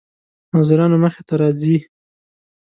ناظرانو مخې ته راځي.